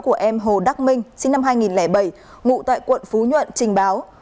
của em hồ đắc minh sinh năm hai nghìn bảy ngụ tại quận phú nhuận trình báo